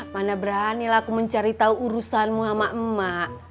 mana beranilah aku mencari tahu urusanmu sama emak